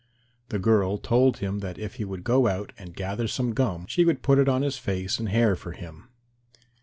The girl told him that if he would go out and gather some gum she would put it on his face and hair for him.